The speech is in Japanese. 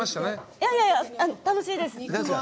いやいや、楽しいです。